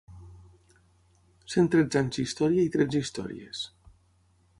Cent tretze anys d’història i tretze històries.